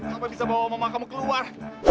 sampai bisa bawa mama kamu keluar